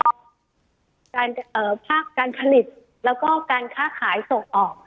การเอ่อภาพการผลิตแล้วก็การค้าขายส่งออก